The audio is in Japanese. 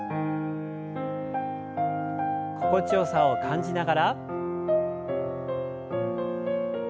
心地よさを感じながら。